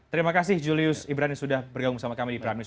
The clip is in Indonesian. terima kasih julius ibrani sudah bergabung sama kami di prime news